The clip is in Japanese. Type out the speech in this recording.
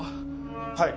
はい。